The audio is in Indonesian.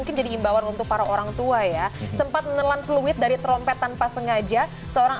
mungkin jadi imbauan untuk para orang tua ya sempat menelan fluid dari trompet tanpa sengaja seorang